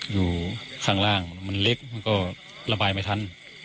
อยู่ข้างล่างมันเล็กมันก็ระบายไม่ทัน